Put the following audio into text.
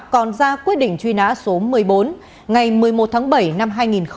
còn ra quyết định truy nã số một mươi bốn ngày một mươi một tháng bảy năm hai nghìn một mươi